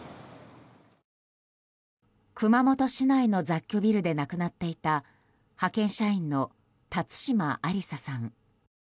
熊本市内の雑居ビルで亡くなっていた派遣社員の辰島ありささん。